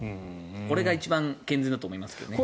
これが一番健全だと思いますがね。